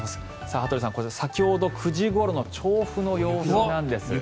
羽鳥さん、先ほど９時ごろの調布の様子なんです。